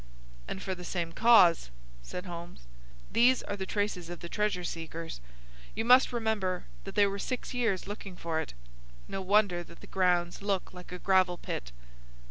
"And from the same cause," said Holmes. "These are the traces of the treasure seekers. You must remember that they were six years looking for it. No wonder that the grounds look like a gravel pit."